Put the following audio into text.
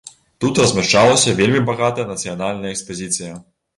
Тут размяшчалася вельмі багатая нацыянальная экспазіцыя.